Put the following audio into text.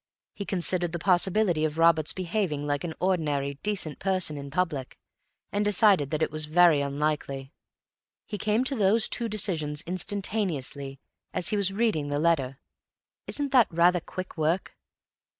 He considered the possibility of Robert's behaving like an ordinary decent person in public, and decided that it was very unlikely. He came to those two decisions instantaneously, as he was reading the letter. Isn't that rather quick work?"